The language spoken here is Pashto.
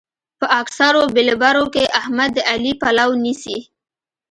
په اکثرو بېلبرو کې احمد د علي پلو نيسي.